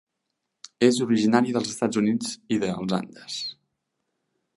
És originària dels Estats Units i dels Andes.